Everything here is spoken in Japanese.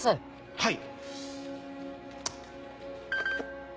はい！